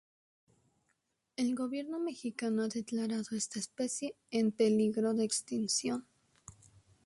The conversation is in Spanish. El gobierno mexicano ha declarado esta especie en peligro de extinción.